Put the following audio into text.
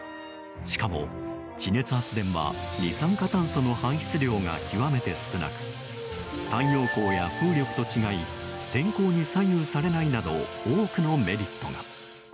しかも地熱発電は、二酸化炭素の排出量が極めて少なく太陽光や風力と違い天候に左右されないなど多くのメリットが。